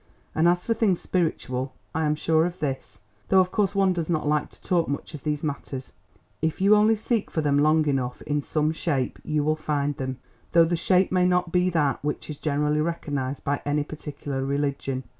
And as for things spiritual, I am sure of this—though of course one does not like to talk much of these matters—if you only seek for them long enough in some shape you will find them, though the shape may not be that which is generally recognised by any particular religion.